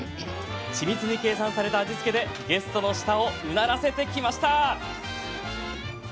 緻密に計算された味付けでゲストの舌をうならせてきました。